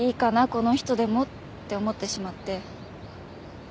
この人でもって思ってしまって。